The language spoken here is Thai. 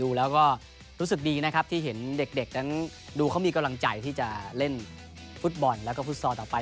ดูแล้วก็รู้สึกดีนะครับที่เห็นเด็กนั้นดูเขามีกำลังใจที่จะเล่นฟุตบอลแล้วก็ฟุตซอลต่อไป